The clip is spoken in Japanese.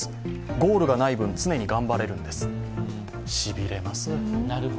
ゴールがない分、常に頑張れるんです、しびれます。